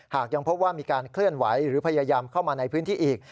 หากยังพบว่ามีการเคลื่อนไหวหรือพยายามเข้ามาในพื้นที่อีก